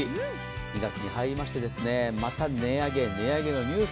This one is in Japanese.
２月に入りまして、また値上げ、値上げのニュース。